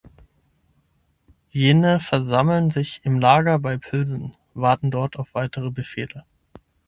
Jene versammeln sich im Lager bei Pilsen, warten dort auf weitere Befehle.